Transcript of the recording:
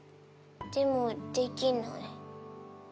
でもできない。